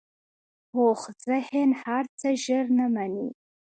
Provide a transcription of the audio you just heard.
پوخ ذهن هر څه ژر نه منې